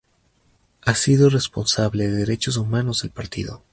Ha sido responsable de Derechos Humanos del partido.